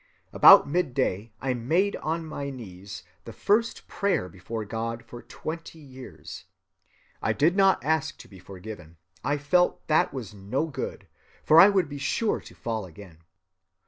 About midday I made on my knees the first prayer before God for twenty years. I did not ask to be forgiven; I felt that was no good, for I would be sure to fall again.